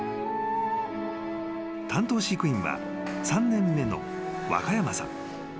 ［担当飼育員は３年目の若山さん］